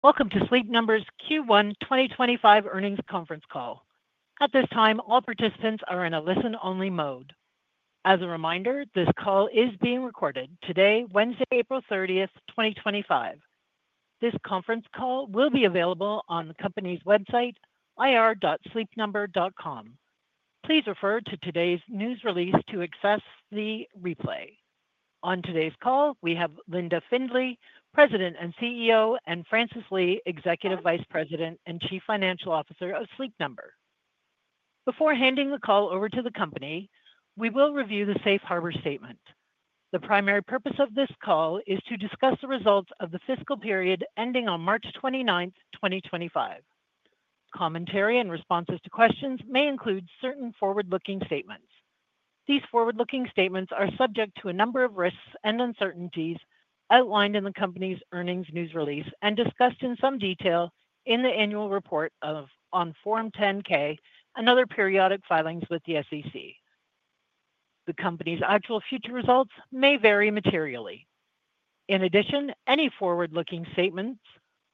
Welcome to Sleep Number's Q1 2025 Earnings Conference Call. At this time, all participants are in a listen-only mode. As a reminder, this call is being recorded. Today is Wednesday, April 30th, 2025. This conference call will be available on the company's website, ir.sleepnumber.com. Please refer to today's news release to access the replay. On today's call, we have Linda Findley, President and CEO, and Francis Lee, Executive Vice President and Chief Financial Officer of Sleep Number. Before handing the call over to the company, we will review the safe harbor statement. The primary purpose of this call is to discuss the results of the fiscal period ending on March 29th, 2025. Commentary and responses to questions may include certain forward-looking statements. These forward-looking statements are subject to a number of risks and uncertainties outlined in the company's earnings news release and discussed in some detail in the annual report on Form 10-K, and other periodic filings with the SEC. The company's actual future results may vary materially. In addition, any forward-looking statements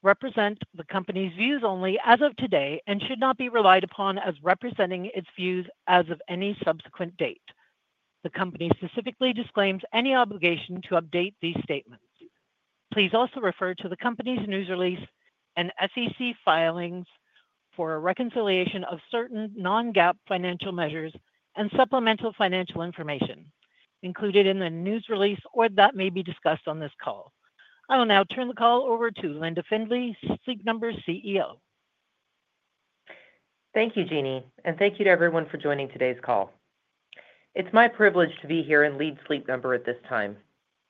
represent the company's views only as of today and should not be relied upon as representing its views as of any subsequent date. The company specifically disclaims any obligation to update these statements. Please also refer to the company's news release and SEC filings for a reconciliation of certain non-GAAP financial measures and supplemental financial information included in the news release or that may be discussed on this call. I will now turn the call over to Linda Findley, Sleep Number's CEO. Thank you, Jeannie, and thank you to everyone for joining today's call. It's my privilege to be here and lead Sleep Number at this time.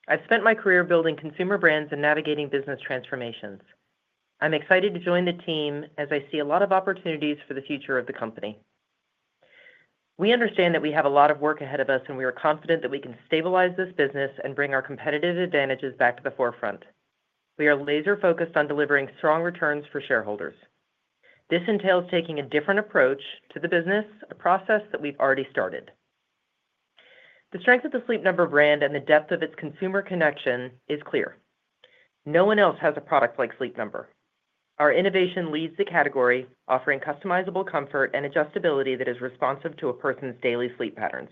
I've spent my career building consumer brands and navigating business transformations. I'm excited to join the team as I see a lot of opportunities for the future of the company. We understand that we have a lot of work ahead of us, and we are confident that we can stabilize this business and bring our competitive advantages back to the forefront. We are laser-focused on delivering strong returns for shareholders. This entails taking a different approach to the business, a process that we've already started. The strength of the Sleep Number brand and the depth of its consumer connection is clear. No one else has a product like Sleep Number. Our innovation leads the category, offering customizable comfort and adjustability that is responsive to a person's daily sleep patterns.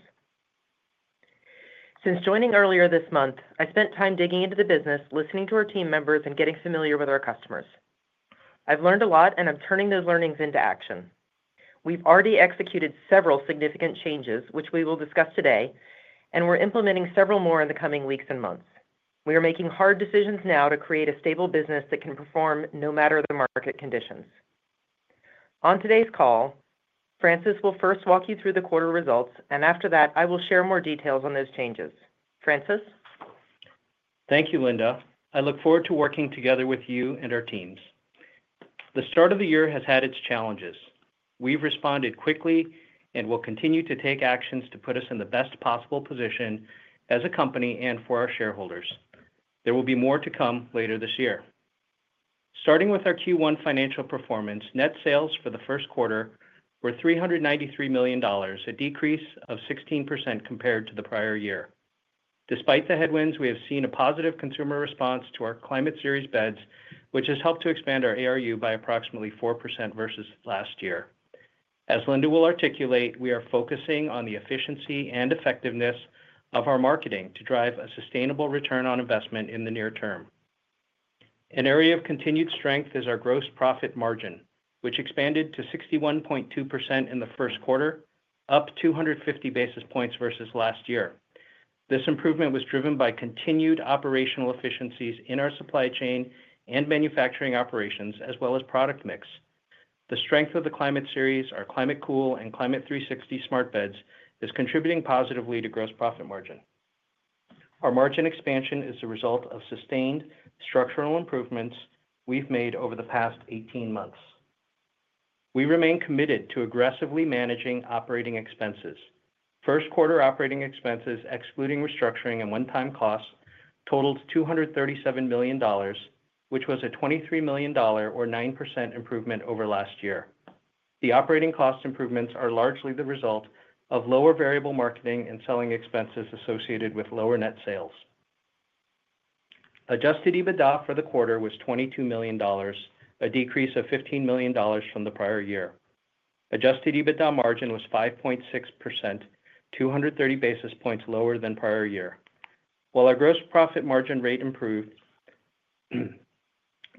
Since joining earlier this month, I spent time digging into the business, listening to our team members, and getting familiar with our customers. I've learned a lot, and I'm turning those learnings into action. We've already executed several significant changes, which we will discuss today, and we're implementing several more in the coming weeks and months. We are making hard decisions now to create a stable business that can perform no matter the market conditions. On today's call, Francis will first walk you through the quarter results, and after that, I will share more details on those changes. Francis? Thank you, Linda. I look forward to working together with you and our teams. The start of the year has had its challenges. We've responded quickly and will continue to take actions to put us in the best possible position as a company and for our shareholders. There will be more to come later this year. Starting with our Q1 financial performance, net sales for the first quarter were $393 million, a decrease of 16% compared to the prior year. Despite the headwinds, we have seen a positive consumer response to our Climate Series beds, which has helped to expand our ARU by approximately 4% versus last year. As Linda will articulate, we are focusing on the efficiency and effectiveness of our marketing to drive a sustainable return on investment in the near term. An area of continued strength is our gross profit margin, which expanded to 61.2% in the first quarter, up 250 basis points versus last year. This improvement was driven by continued operational efficiencies in our supply chain and manufacturing operations, as well as product mix. The strength of the Climate Series, our ClimateCool and Climate360 smart beds, is contributing positively to gross profit margin. Our margin expansion is the result of sustained structural improvements we've made over the past 18 months. We remain committed to aggressively managing operating expenses. First quarter operating expenses, excluding restructuring and one-time costs, totaled $237 million, which was a $23 million, or 9% improvement, over last year. The operating cost improvements are largely the result of lower variable marketing and selling expenses associated with lower net sales. Adjusted EBITDA for the quarter was $22 million, a decrease of $15 million from the prior year. Adjusted EBITDA margin was 5.6%, 230 basis points lower than prior year. While our gross profit margin rate improved,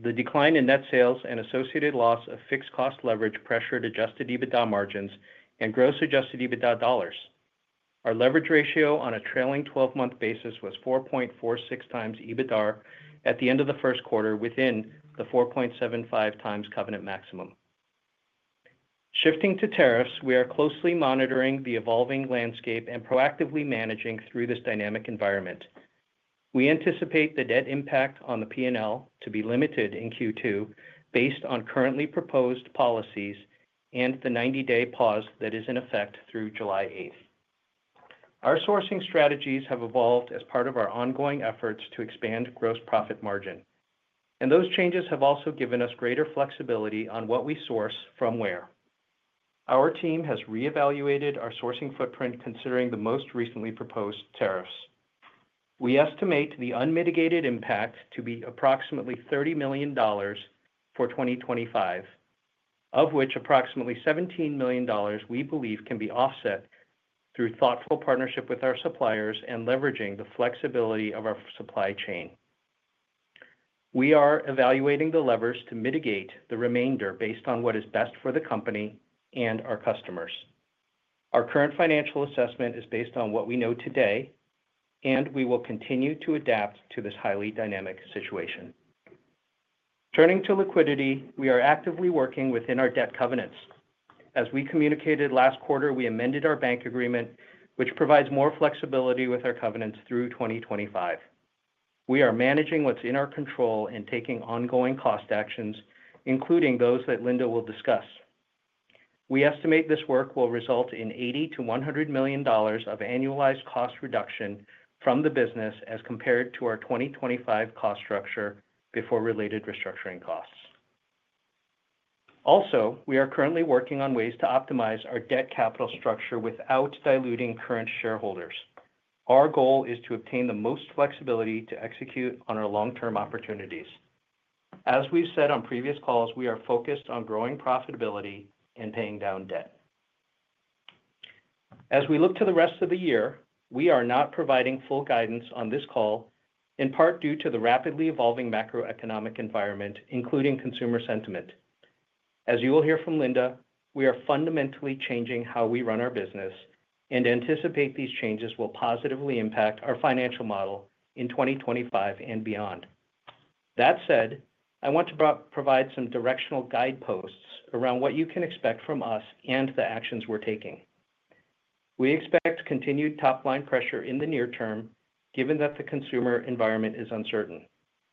the decline in net sales and associated loss of fixed cost leverage pressured adjusted EBITDA margins and gross adjusted EBITDA dollars. Our leverage ratio on a trailing 12-month basis was 4.46 times EBITDA at the end of the first quarter, within the 4.75-times covenant maximum. Shifting to tariffs, we are closely monitoring the evolving landscape and proactively managing through this dynamic environment. We anticipate the debt impact on the P&L to be limited in Q2 based on currently proposed policies and the 90-day pause that is in effect through July 8th. Our sourcing strategies have evolved as part of our ongoing efforts to expand gross profit margin, and those changes have also given us greater flexibility on what we source from where. Our team has reevaluated our sourcing footprint, considering the most recently proposed tariffs. We estimate the unmitigated impact to be approximately $30 million for 2025, of which approximately $17 million we believe can be offset through thoughtful partnership with our suppliers and leveraging the flexibility of our supply chain. We are evaluating the levers to mitigate the remainder based on what is best for the company and our customers. Our current financial assessment is based on what we know today, and we will continue to adapt to this highly dynamic situation. Turning to liquidity, we are actively working within our debt covenants. As we communicated last quarter, we amended our bank agreement, which provides more flexibility with our covenants through 2025. We are managing what's in our control and taking ongoing cost actions, including those that Linda will discuss. We estimate this work will result in $80 million-$100 million of annualized cost reduction from the business as compared to our 2025 cost structure before related restructuring costs. Also, we are currently working on ways to optimize our debt capital structure without diluting current shareholders. Our goal is to obtain the most flexibility to execute on our long-term opportunities. As we've said on previous calls, we are focused on growing profitability and paying down debt. As we look to the rest of the year, we are not providing full guidance on this call, in part due to the rapidly evolving macroeconomic environment, including consumer sentiment. As you will hear from Linda, we are fundamentally changing how we run our business and anticipate these changes will positively impact our financial model in 2025 and beyond. That said, I want to provide some directional guideposts around what you can expect from us and the actions we're taking. We expect continued top-line pressure in the near term, given that the consumer environment is uncertain.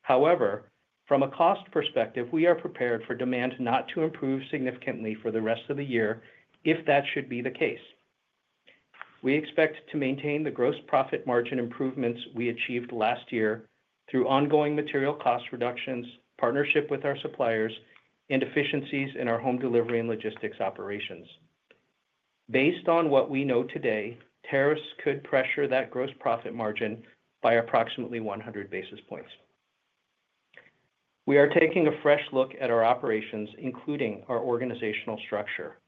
However, from a cost perspective, we are prepared for demand not to improve significantly for the rest of the year if that should be the case. We expect to maintain the gross profit margin improvements we achieved last year through ongoing material cost reductions, partnership with our suppliers, and efficiencies in our home delivery and logistics operations. Based on what we know today, tariffs could pressure that gross profit margin by approximately 100 basis points. We are taking a fresh look at our operations, including our organizational structure,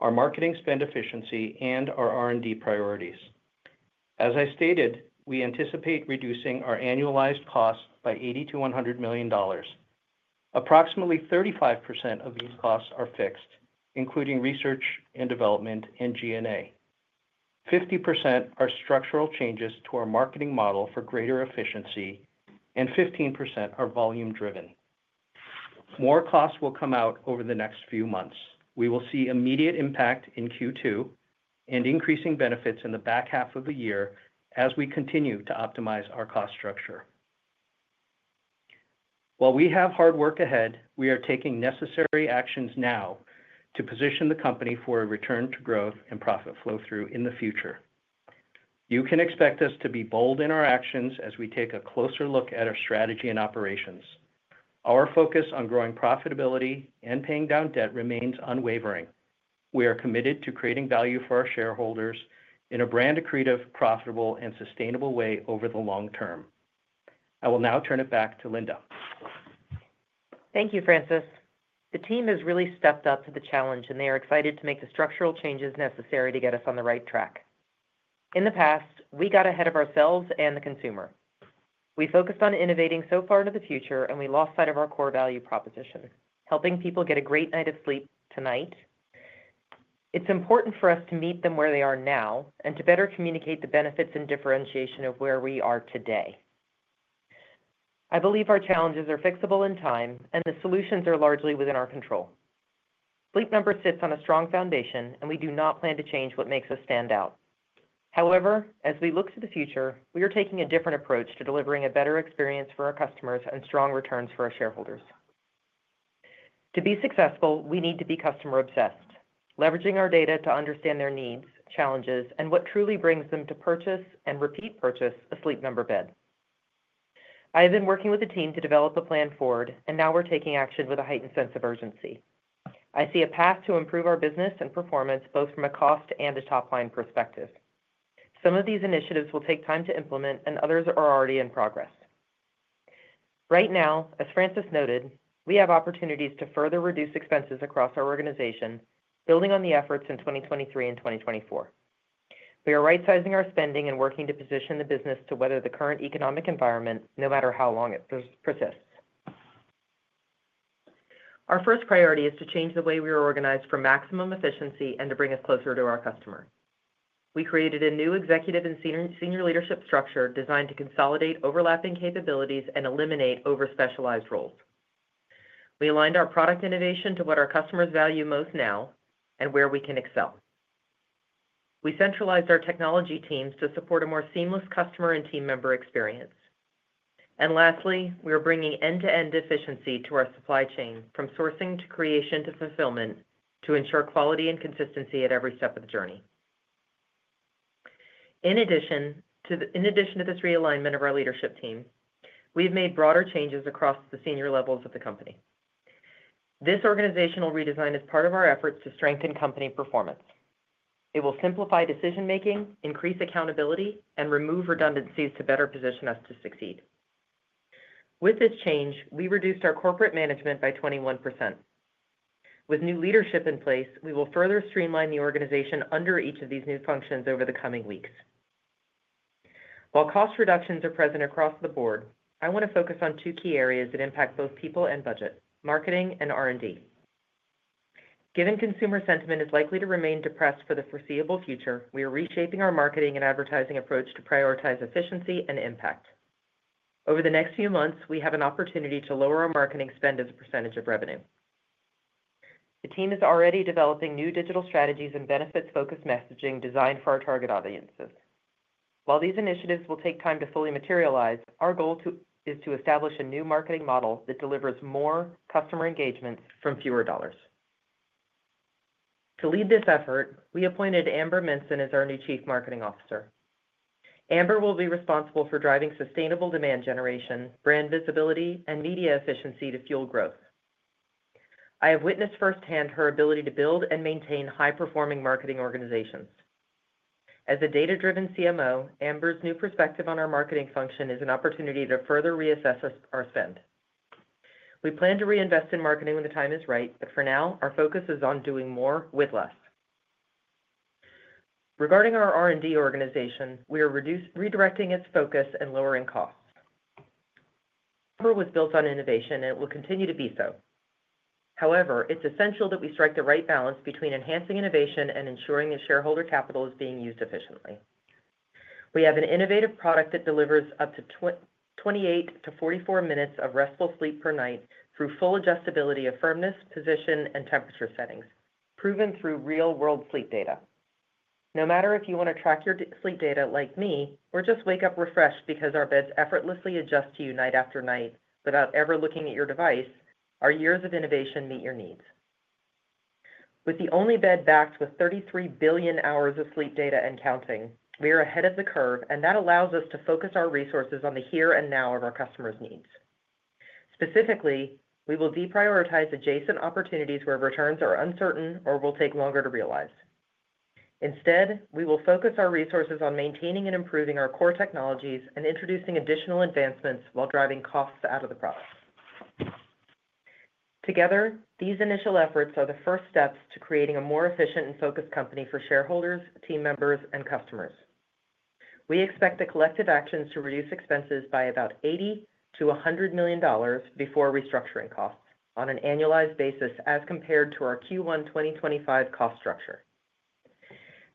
our marketing spend efficiency, and our R&D priorities. As I stated, we anticipate reducing our annualized costs by $80 million-$100 million. Approximately 35% of these costs are fixed, including research and development and G&A. 50% are structural changes to our marketing model for greater efficiency, and 15% are volume-driven. More costs will come out over the next few months. We will see immediate impact in Q2 and increasing benefits in the back half of the year as we continue to optimize our cost structure. While we have hard work ahead, we are taking necessary actions now to position the company for a return to growth and profit flow-through in the future. You can expect us to be bold in our actions as we take a closer look at our strategy and operations. Our focus on growing profitability and paying down debt remains unwavering. We are committed to creating value for our shareholders in a brand accretive, profitable, and sustainable way over the long term. I will now turn it back to Linda. Thank you, Francis. The team has really stepped up to the challenge, and they are excited to make the structural changes necessary to get us on the right track. In the past, we got ahead of ourselves and the consumer. We focused on innovating so far into the future, and we lost sight of our core value proposition, helping people get a great night of sleep tonight. It's important for us to meet them where they are now and to better communicate the benefits and differentiation of where we are today. I believe our challenges are fixable in time, and the solutions are largely within our control. Sleep Number sits on a strong foundation, and we do not plan to change what makes us stand out. However, as we look to the future, we are taking a different approach to delivering a better experience for our customers and strong returns for our shareholders. To be successful, we need to be customer-obsessed, leveraging our data to understand their needs, challenges, and what truly brings them to purchase and repeat purchase a Sleep Number bed. I have been working with the team to develop a plan forward, and now we're taking action with a heightened sense of urgency. I see a path to improve our business and performance both from a cost and a top-line perspective. Some of these initiatives will take time to implement, and others are already in progress. Right now, as Francis noted, we have opportunities to further reduce expenses across our organization, building on the efforts in 2023 and 2024. We are right-sizing our spending and working to position the business to weather the current economic environment no matter how long it persists. Our first priority is to change the way we are organized for maximum efficiency and to bring us closer to our customer. We created a new executive and senior leadership structure designed to consolidate overlapping capabilities and eliminate overspecialized roles. We aligned our product innovation to what our customers value most now and where we can excel. We centralized our technology teams to support a more seamless customer and team member experience. Lastly, we are bringing end-to-end efficiency to our supply chain, from sourcing to creation to fulfillment, to ensure quality and consistency at every step of the journey. In addition to this realignment of our leadership team, we've made broader changes across the senior levels of the company. This organizational redesign is part of our efforts to strengthen company performance. It will simplify decision-making, increase accountability, and remove redundancies to better position us to succeed. With this change, we reduced our corporate management by 21%. With new leadership in place, we will further streamline the organization under each of these new functions over the coming weeks. While cost reductions are present across the board, I want to focus on two key areas that impact both people and budget: marketing and R&D. Given consumer sentiment is likely to remain depressed for the foreseeable future, we are reshaping our marketing and advertising approach to prioritize efficiency and impact. Over the next few months, we have an opportunity to lower our marketing spend as a percentage of revenue. The team is already developing new digital strategies and benefits-focused messaging designed for our target audiences. While these initiatives will take time to fully materialize, our goal is to establish a new marketing model that delivers more customer engagements from fewer dollars. To lead this effort, we appointed Amber Minson as our new Chief Marketing Officer. Amber will be responsible for driving sustainable demand generation, brand visibility, and media efficiency to fuel growth. I have witnessed firsthand her ability to build and maintain high-performing marketing organizations. As a data-driven CMO, Amber's new perspective on our marketing function is an opportunity to further reassess our spend. We plan to reinvest in marketing when the time is right, but for now, our focus is on doing more with less. Regarding our R&D organization, we are redirecting its focus and lowering costs. Sleep Number was built on innovation, and it will continue to be so. However, it's essential that we strike the right balance between enhancing innovation and ensuring that shareholder capital is being used efficiently. We have an innovative product that delivers up to 28 to 44 minutes of restful sleep per night through full adjustability of firmness, position, and temperature settings, proven through real-world sleep data. No matter if you want to track your sleep data like me or just wake up refreshed because our beds effortlessly adjust to you night after night without ever looking at your device, our years of innovation meet your needs. With the only bed backed with 33 billion hours of sleep data and counting, we are ahead of the curve, and that allows us to focus our resources on the here and now of our customers' needs. Specifically, we will deprioritize adjacent opportunities where returns are uncertain or will take longer to realize. Instead, we will focus our resources on maintaining and improving our core technologies and introducing additional advancements while driving costs out of the product. Together, these initial efforts are the first steps to creating a more efficient and focused company for shareholders, team members, and customers. We expect the collective actions to reduce expenses by about $80 million-$100 million before restructuring costs on an annualized basis as compared to our Q1 2025 cost structure.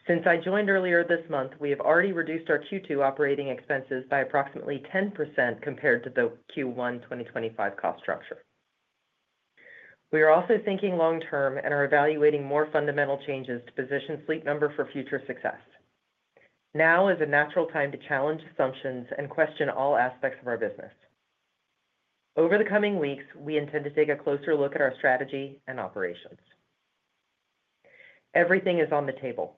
Since I joined earlier this month, we have already reduced our Q2 operating expenses by approximately 10% compared to the Q1 2025 cost structure. We are also thinking long-term and are evaluating more fundamental changes to position Sleep Number for future success. Now is a natural time to challenge assumptions and question all aspects of our business. Over the coming weeks, we intend to take a closer look at our strategy and operations. Everything is on the table.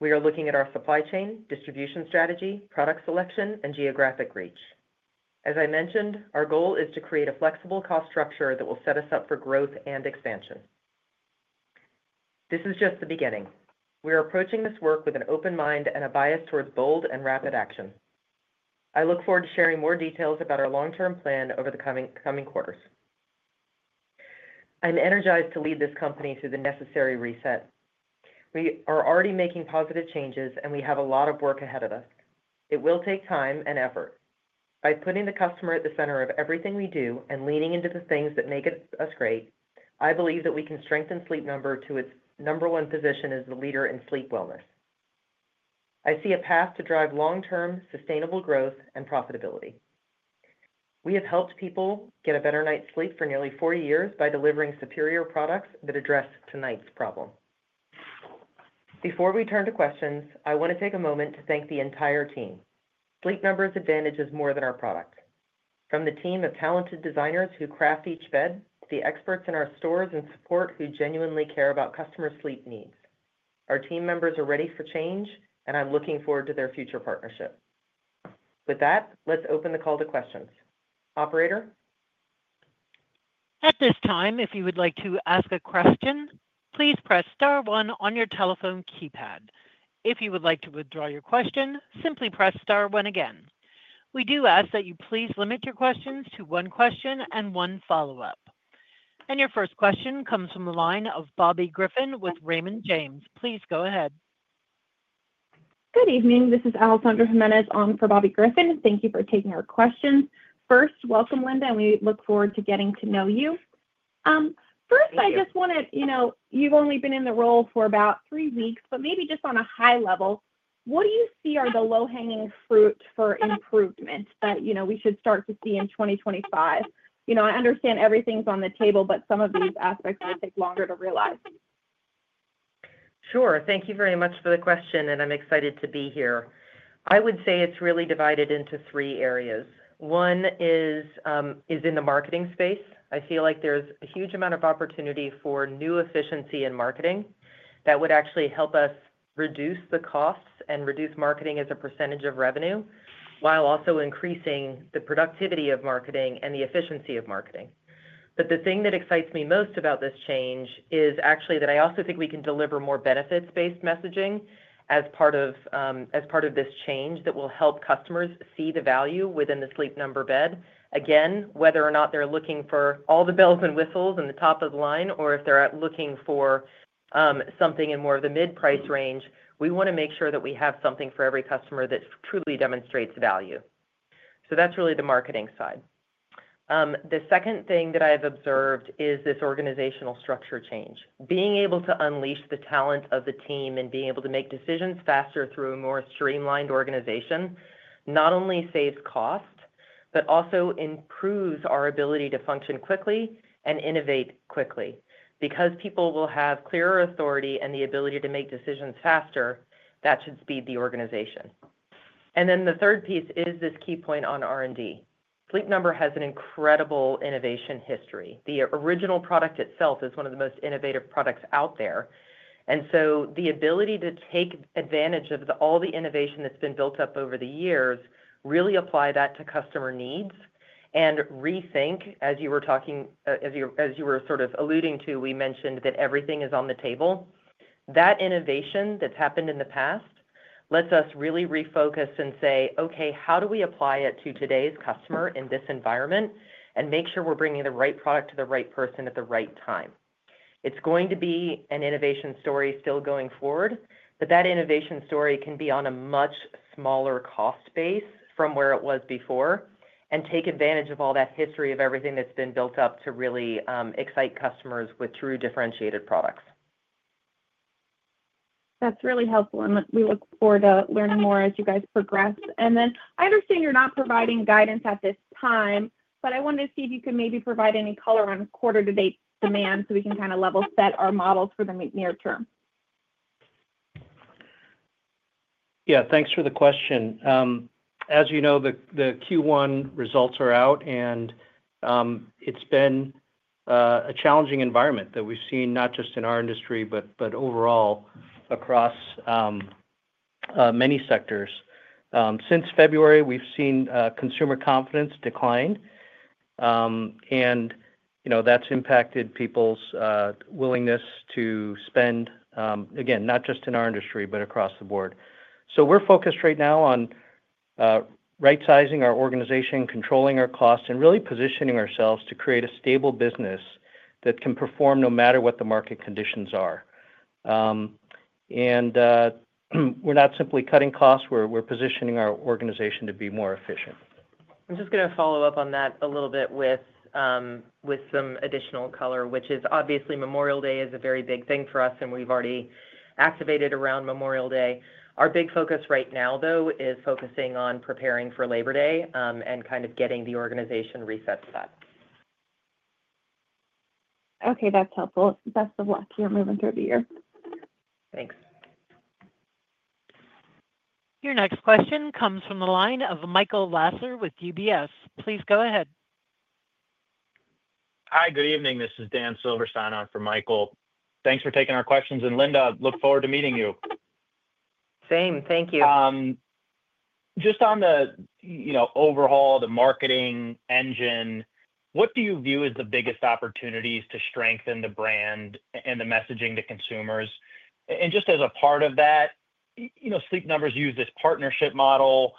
We are looking at our supply chain, distribution strategy, product selection, and geographic reach. As I mentioned, our goal is to create a flexible cost structure that will set us up for growth and expansion. This is just the beginning. We are approaching this work with an open mind and a bias towards bold and rapid action. I look forward to sharing more details about our long-term plan over the coming quarters. I'm energized to lead this company through the necessary reset. We are already making positive changes, and we have a lot of work ahead of us. It will take time and effort. By putting the customer at the center of everything we do and leaning into the things that make us great, I believe that we can strengthen Sleep Number to its number one position as the leader in sleep wellness. I see a path to drive long-term sustainable growth and profitability. We have helped people get a better night's sleep for nearly four years by delivering superior products that address tonight's problem. Before we turn to questions, I want to take a moment to thank the entire team. Sleep Number's advantage is more than our product. From the team of talented designers who craft each bed to the experts in our stores and support who genuinely care about customer sleep needs, our team members are ready for change, and I'm looking forward to their future partnership. With that, let's open the call to questions. Operator? At this time, if you would like to ask a question, please press star one on your telephone keypad. If you would like to withdraw your question, simply press star one again. We do ask that you please limit your questions to one question and one follow-up. Your first question comes from the line of Bobby Griffin with Raymond James. Please go ahead. Good evening. This is Alessandra Jimenez on for Bobby Griffin. Thank you for taking our questions. First, welcome, Linda, and we look forward to getting to know you. First, I just want to, you've only been in the role for about three weeks, but maybe just on a high level, what do you see are the low-hanging fruit for improvement that we should start to see in 2025? I understand everything's on the table, but some of these aspects will take longer to realize. Sure. Thank you very much for the question, and I'm excited to be here. I would say it's really divided into three areas. One is in the marketing space. I feel like there's a huge amount of opportunity for new efficiency in marketing that would actually help us reduce the costs and reduce marketing as a percentage of revenue while also increasing the productivity of marketing and the efficiency of marketing. The thing that excites me most about this change is actually that I also think we can deliver more benefits-based messaging as part of this change that will help customers see the value within the Sleep Number bed. Again, whether or not they're looking for all the bells and whistles and the top of the line, or if they're looking for something in more of the mid-price range, we want to make sure that we have something for every customer that truly demonstrates value. That is really the marketing side. The second thing that I have observed is this organizational structure change. Being able to unleash the talent of the team and being able to make decisions faster through a more streamlined organization not only saves cost, but also improves our ability to function quickly and innovate quickly. Because people will have clearer authority and the ability to make decisions faster, that should speed the organization. The third piece is this key point on R&D. Sleep Number has an incredible innovation history. The original product itself is one of the most innovative products out there. The ability to take advantage of all the innovation that's been built up over the years, really apply that to customer needs and rethink, as you were talking, as you were sort of alluding to, we mentioned that everything is on the table. That innovation that's happened in the past lets us really refocus and say, "Okay, how do we apply it to today's customer in this environment and make sure we're bringing the right product to the right person at the right time?" It's going to be an innovation story still going forward, but that innovation story can be on a much smaller cost base from where it was before and take advantage of all that history of everything that's been built up to really excite customers through differentiated products. That's really helpful, and we look forward to learning more as you guys progress. I understand you're not providing guidance at this time, but I wanted to see if you could maybe provide any color on quarter-to-date demand so we can kind of level set our models for the near term. Yeah, thanks for the question. As you know, the Q1 results are out, and it's been a challenging environment that we've seen not just in our industry, but overall across many sectors. Since February, we've seen consumer confidence decline, and that's impacted people's willingness to spend, again, not just in our industry, but across the board. We are focused right now on right-sizing our organization, controlling our costs, and really positioning ourselves to create a stable business that can perform no matter what the market conditions are. We're not simply cutting costs; we're positioning our organization to be more efficient. I'm just going to follow up on that a little bit with some additional color, which is obviously Memorial Day is a very big thing for us, and we've already activated around Memorial Day. Our big focus right now, though, is focusing on preparing for Labor Day and kind of getting the organization reset to that. Okay, that's helpful. Best of luck here moving through the year. Thanks. Your next question comes from the line of Michael Lasser with UBS. Please go ahead. Hi, good evening. This is Dan Silverstein on for Michael. Thanks for taking our questions, and Linda, look forward to meeting you. Same. Thank you. Just on the overhaul, the marketing engine, what do you view as the biggest opportunities to strengthen the brand and the messaging to consumers? Just as a part of that, Sleep Number's used this partnership model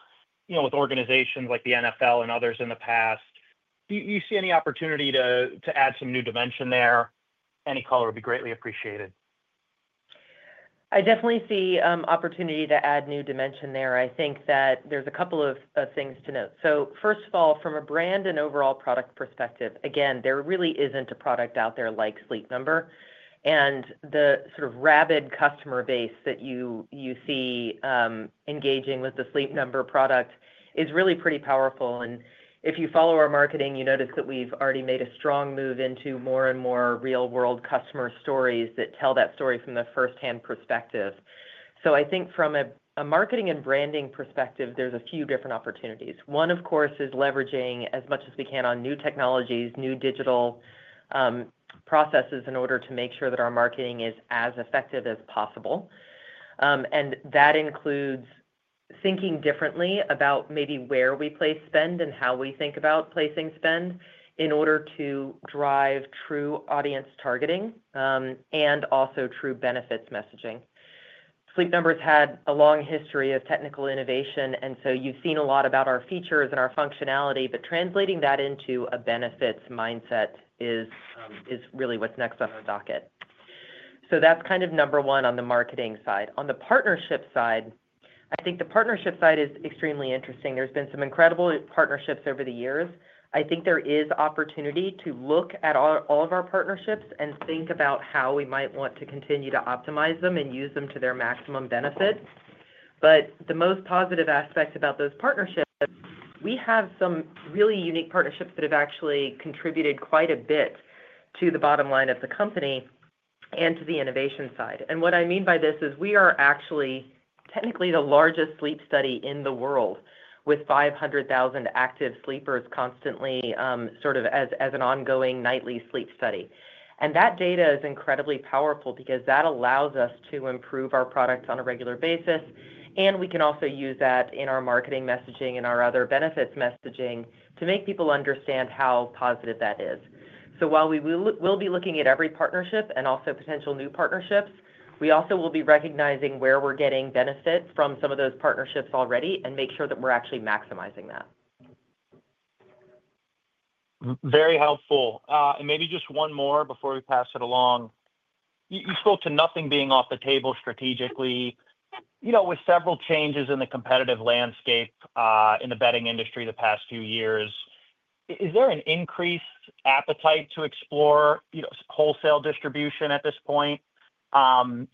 with organizations like the NFL and others in the past. Do you see any opportunity to add some new dimension there? Any color would be greatly appreciated. I definitely see opportunity to add new dimension there. I think that there's a couple of things to note. First of all, from a brand and overall product perspective, again, there really isn't a product out there like Sleep Number. The sort of rabid customer base that you see engaging with the Sleep Number product is really pretty powerful. If you follow our marketing, you notice that we've already made a strong move into more and more real-world customer stories that tell that story from the firsthand perspective. I think from a marketing and branding perspective, there's a few different opportunities. One, of course, is leveraging as much as we can on new technologies, new digital processes in order to make sure that our marketing is as effective as possible. That includes thinking differently about maybe where we place spend and how we think about placing spend in order to drive true audience targeting and also true benefits messaging. Sleep Number's had a long history of technical innovation, and you have seen a lot about our features and our functionality, but translating that into a benefits mindset is really what is next on our docket. That is kind of number one on the marketing side. On the partnership side, I think the partnership side is extremely interesting. There have been some incredible partnerships over the years. I think there is opportunity to look at all of our partnerships and think about how we might want to continue to optimize them and use them to their maximum benefit. The most positive aspects about those partnerships, we have some really unique partnerships that have actually contributed quite a bit to the bottom line of the company and to the innovation side. What I mean by this is we are actually technically the largest sleep study in the world with 500,000 active sleepers constantly sort of as an ongoing nightly sleep study. That data is incredibly powerful because that allows us to improve our product on a regular basis, and we can also use that in our marketing messaging and our other benefits messaging to make people understand how positive that is. While we will be looking at every partnership and also potential new partnerships, we also will be recognizing where we're getting benefit from some of those partnerships already and make sure that we're actually maximizing that. Very helpful. Maybe just one more before we pass it along. You spoke to nothing being off the table strategically. With several changes in the competitive landscape in the bedding industry the past few years, is there an increased appetite to explore wholesale distribution at this point?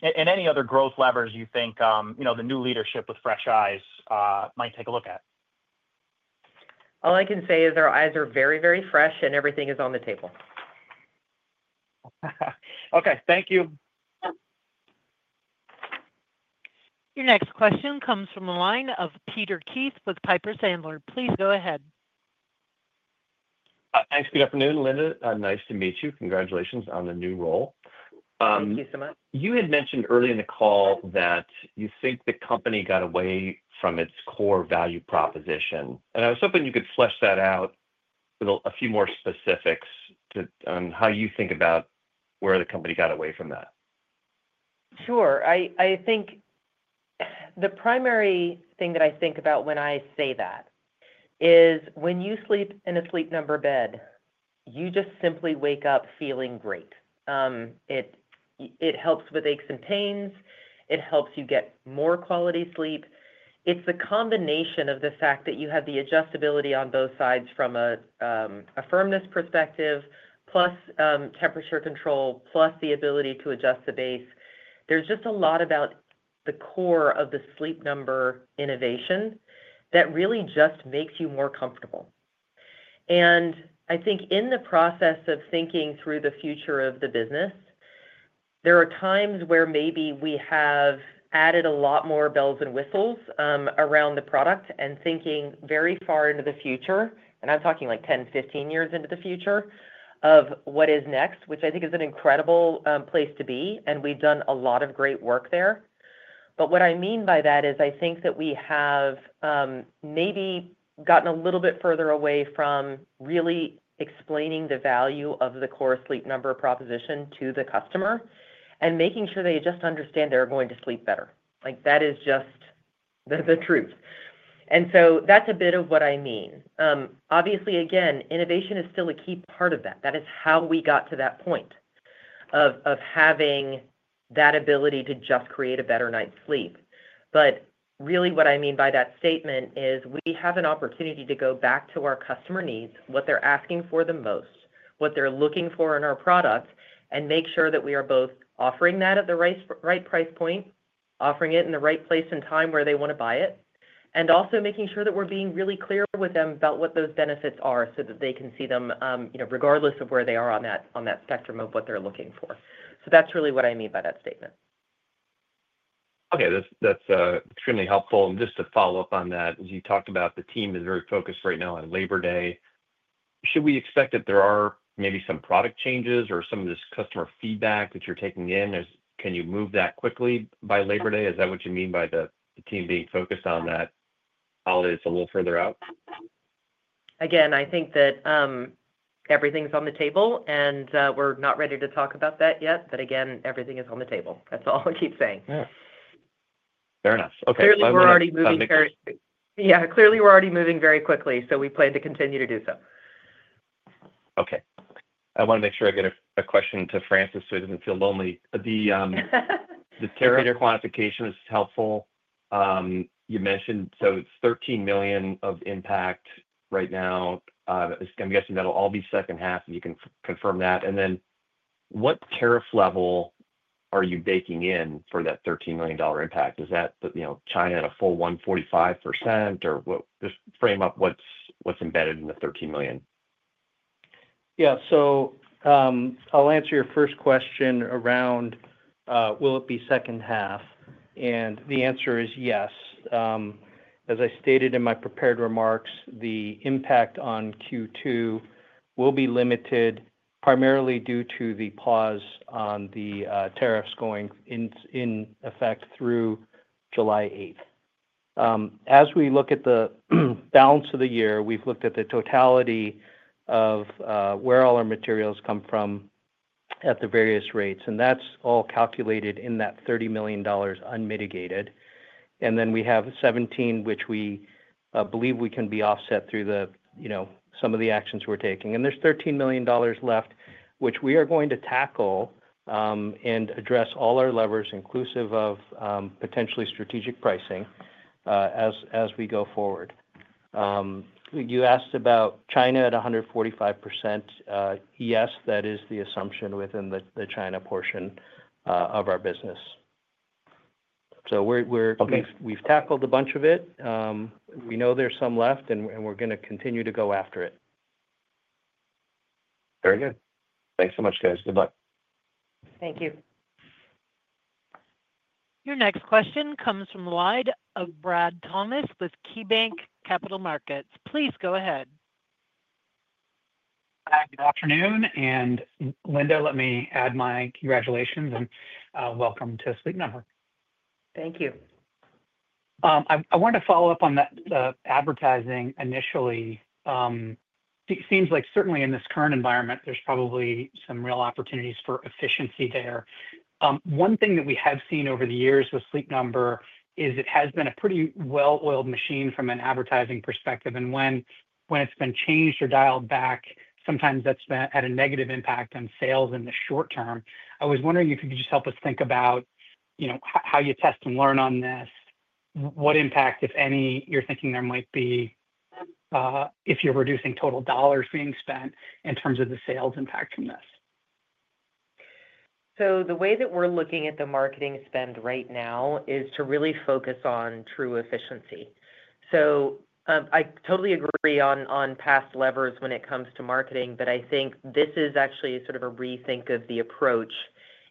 Any other growth levers you think the new leadership with fresh eyes might take a look at? All I can say is their eyes are very, very fresh, and everything is on the table. Okay. Thank you. Your next question comes from the line of Peter Keith with Piper Sandler. Please go ahead. Thanks. Good afternoon, Linda. Nice to meet you. Congratulations on the new role. Thank you so much. You had mentioned early in the call that you think the company got away from its core value proposition. I was hoping you could flesh that out with a few more specifics on how you think about where the company got away from that. Sure. I think the primary thing that I think about when I say that is when you sleep in a Sleep Number bed, you just simply wake up feeling great. It helps with aches and pains. It helps you get more quality sleep. It is the combination of the fact that you have the adjustability on both sides from a firmness perspective, plus temperature control, plus the ability to adjust the base. There is just a lot about the core of the Sleep Number innovation that really just makes you more comfortable. I think in the process of thinking through the future of the business, there are times where maybe we have added a lot more bells and whistles around the product and thinking very far into the future, and I'm talking like 10, 15 years into the future of what is next, which I think is an incredible place to be, and we've done a lot of great work there. What I mean by that is I think that we have maybe gotten a little bit further away from really explaining the value of the core Sleep Number proposition to the customer and making sure they just understand they're going to sleep better. That is just the truth. That is a bit of what I mean. Obviously, again, innovation is still a key part of that. That is how we got to that point of having that ability to just create a better night's sleep. What I mean by that statement is we have an opportunity to go back to our customer needs, what they're asking for the most, what they're looking for in our product, and make sure that we are both offering that at the right price point, offering it in the right place and time where they want to buy it, and also making sure that we're being really clear with them about what those benefits are so that they can see them regardless of where they are on that spectrum of what they're looking for. That is really what I mean by that statement. Okay. That's extremely helpful. Just to follow up on that, as you talked about, the team is very focused right now on Labor Day. Should we expect that there are maybe some product changes or some of this customer feedback that you're taking in? Can you move that quickly by Labor Day? Is that what you mean by the team being focused on that holiday that's a little further out? Again, I think that everything's on the table, and we're not ready to talk about that yet. Again, everything is on the table. That's all I keep saying. Yeah. Fair enough. Okay. Clearly, we're already moving very quickly, so we plan to continue to do so. Okay. I want to make sure I get a question to Francis so he doesn't feel lonely. The tariff quantification is helpful. You mentioned so it's $13 million of impact right now. I'm guessing that'll all be second half, and you can confirm that. What tariff level are you baking in for that $13 million impact? Is that China at a full 145%, or just frame up what's embedded in the $13 million? Yeah. I'll answer your first question around, will it be second half? The answer is yes. As I stated in my prepared remarks, the impact on Q2 will be limited primarily due to the pause on the tariffs going in effect through July 8th. As we look at the balance of the year, we've looked at the totality of where all our materials come from at the various rates, and that's all calculated in that $30 million unmitigated. We have $17 million, which we believe we can offset through some of the actions we're taking. There's $13 million left, which we are going to tackle and address all our levers, inclusive of potentially strategic pricing as we go forward. You asked about China at 145%. Yes, that is the assumption within the China portion of our business. We've tackled a bunch of it. We know there's some left, and we're going to continue to go after it. Very good. Thanks so much, guys. Good luck. Thank you. Your next question comes from the line of Brad Thomas with KeyBanc Capital Markets. Please go ahead. Hi, good afternoon. Linda, let me add my congratulations and welcome to Sleep Number. Thank you. I wanted to follow up on that advertising initially. It seems like certainly in this current environment, there's probably some real opportunities for efficiency there. One thing that we have seen over the years with Sleep Number is it has been a pretty well-oiled machine from an advertising perspective. When it's been changed or dialed back, sometimes that's had a negative impact on sales in the short term. I was wondering if you could just help us think about how you test and learn on this, what impact, if any, you're thinking there might be if you're reducing total dollars being spent in terms of the sales impact from this. The way that we're looking at the marketing spend right now is to really focus on true efficiency. I totally agree on past levers when it comes to marketing, but I think this is actually sort of a rethink of the approach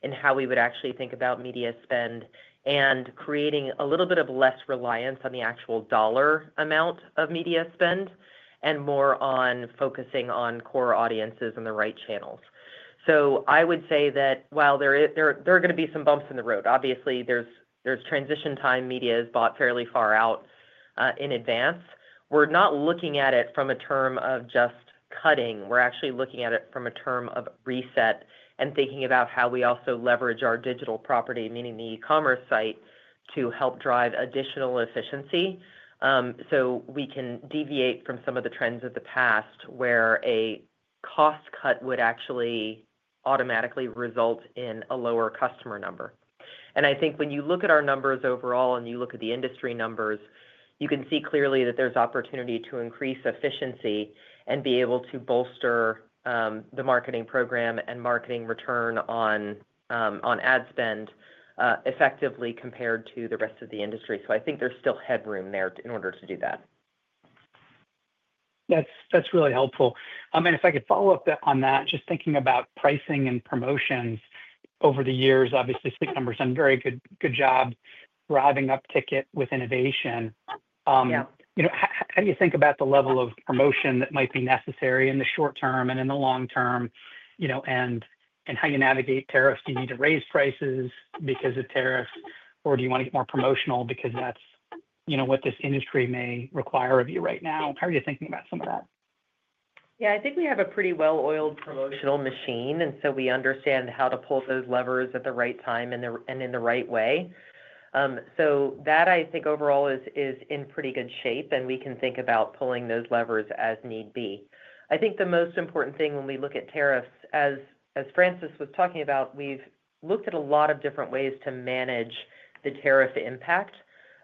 and how we would actually think about media spend and creating a little bit of less reliance on the actual dollar amount of media spend and more on focusing on core audiences and the right channels. I would say that while there are going to be some bumps in the road, obviously, there's transition time. Media is bought fairly far out in advance. We're not looking at it from a term of just cutting. We're actually looking at it from a term of reset and thinking about how we also leverage our digital property, meaning the e-commerce site, to help drive additional efficiency so we can deviate from some of the trends of the past where a cost cut would actually automatically result in a lower customer number. I think when you look at our numbers overall and you look at the industry numbers, you can see clearly that there's opportunity to increase efficiency and be able to bolster the marketing program and marketing return on ad spend effectively compared to the rest of the industry. I think there's still headroom there in order to do that. That's really helpful. If I could follow up on that, just thinking about pricing and promotions over the years, obviously, Sleep Number's done a very good job driving up ticket with innovation. How do you think about the level of promotion that might be necessary in the short term and in the long term and how you navigate tariffs? Do you need to raise prices because of tariffs, or do you want to get more promotional because that's what this industry may require of you right now? How are you thinking about some of that? Yeah. I think we have a pretty well-oiled promotional machine, and we understand how to pull those levers at the right time and in the right way. That, I think overall, is in pretty good shape, and we can think about pulling those levers as need be. I think the most important thing when we look at tariffs, as Francis was talking about, we've looked at a lot of different ways to manage the tariff impact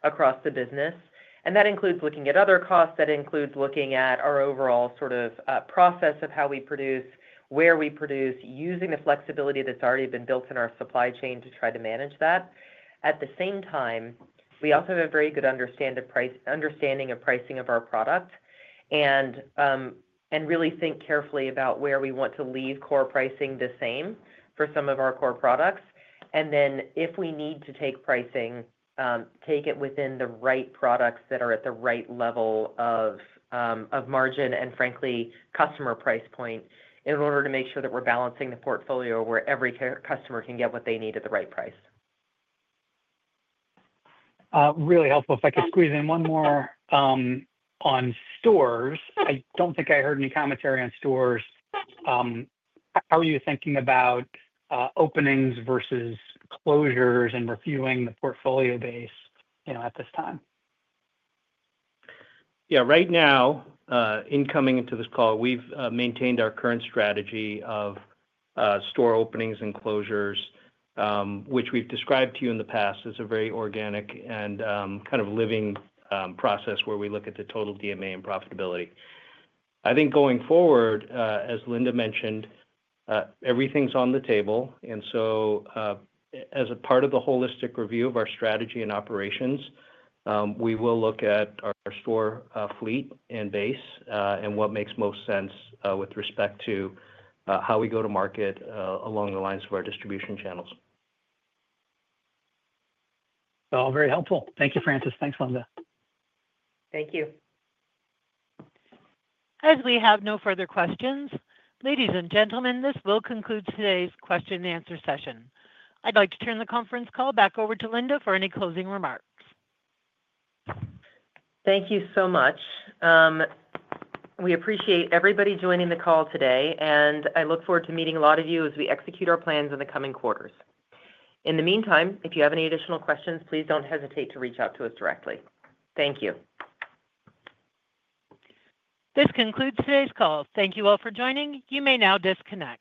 across the business. That includes looking at other costs. That includes looking at our overall sort of process of how we produce, where we produce, using the flexibility that's already been built in our supply chain to try to manage that. At the same time, we also have a very good understanding of pricing of our product and really think carefully about where we want to leave core pricing the same for some of our core products. If we need to take pricing, take it within the right products that are at the right level of margin and, frankly, customer price point in order to make sure that we're balancing the portfolio where every customer can get what they need at the right price. Really helpful. If I could squeeze in one more on stores. I don't think I heard any commentary on stores. How are you thinking about openings versus closures and reviewing the portfolio base at this time? Yeah. Right now, in coming into this call, we've maintained our current strategy of store openings and closures, which we've described to you in the past as a very organic and kind of living process where we look at the total DMA and profitability. I think going forward, as Linda mentioned, everything's on the table. As a part of the holistic review of our strategy and operations, we will look at our store fleet and base and what makes most sense with respect to how we go to market along the lines of our distribution channels. All very helpful. Thank you, Francis. Thanks, Linda. Thank you. As we have no further questions, ladies and gentlemen, this will conclude today's question-and-answer session. I'd like to turn the conference call back over to Linda for any closing remarks. Thank you so much. We appreciate everybody joining the call today, and I look forward to meeting a lot of you as we execute our plans in the coming quarters. In the meantime, if you have any additional questions, please don't hesitate to reach out to us directly. Thank you. This concludes today's call. Thank you all for joining. You may now disconnect.